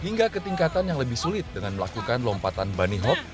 hingga ketingkatan yang lebih sulit dengan melakukan lompatan bunny hope